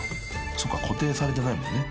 ［そっか固定されてないもんね。